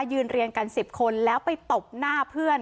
ยืนเรียงกัน๑๐คนแล้วไปตบหน้าเพื่อน